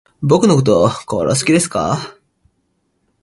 僕のこと殺す気ですか